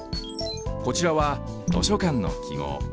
こちらは図書館のきごう。